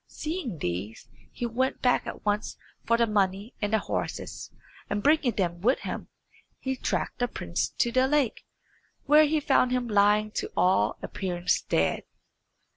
Seeing these, he went back at once for the money and the horses, and bringing them with him, he tracked the prince to the lake, where he found him lying to all appearance dead.